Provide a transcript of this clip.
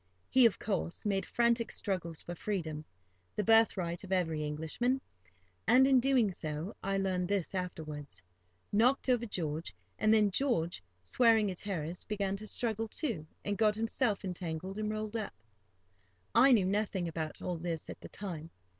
He, of course, made frantic struggles for freedom—the birthright of every Englishman,—and, in doing so (I learned this afterwards), knocked over George; and then George, swearing at Harris, began to struggle too, and got himself entangled and rolled up. [Picture: Watching and waiting] I knew nothing about all this at the time.